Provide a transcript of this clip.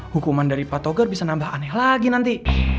hukuman dari pak togar bisa nambah aneh lagi nanti